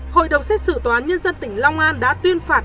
hội đồng xét xử toán nhân dân tỉnh long an đã tuyên phạt